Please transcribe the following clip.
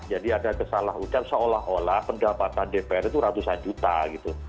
jadi ada kesalah ucap seolah olah pendapatan dpr itu ratusan juta gitu